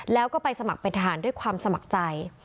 แล้วก็ไปสมัครเป็นทหารด้วยความสมัครใจ